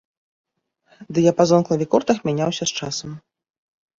Дыяпазон клавікордах мяняўся з часам.